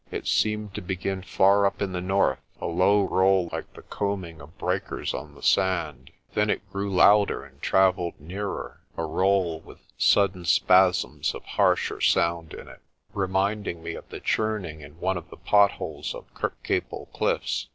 It seemed to begin far up in the north a low roll like the combing of breakers on the sand. Then it grew louder and travelled nearer a roll, with sudden spasms of harsher sound in it j reminding me of the churning in one of the pot holes of Kirkcaple cliffs.